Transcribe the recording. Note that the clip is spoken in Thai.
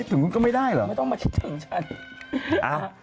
ผมไม่ต้องมาคิดถึงฉัน